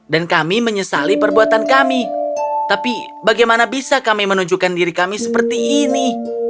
dan kami menyesali perbuatan kami tapi bagaimana bisa kami menunjukkan diri kami seperti ini